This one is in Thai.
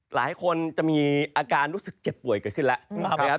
หลายคนจะมีอาการรู้สึกเจ็บป่วยเกิดขึ้นแล้ว